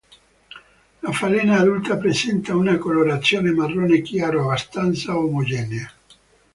La falena adulta presenta una colorazione marrone chiaro abbastanza omogenea.